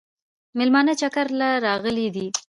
مېلمانه چکر له راغلي دي